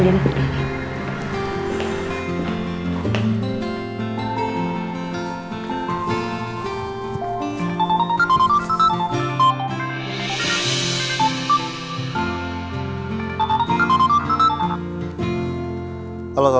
berapa pagi pak